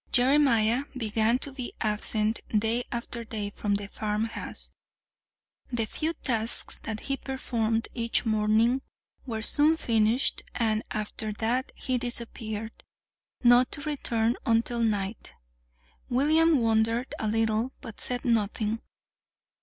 Jeremiah began to be absent day after day from the farmhouse. The few tasks that he performed each morning were soon finished, and after that he disappeared, not to return until night. William wondered a little, but said nothing.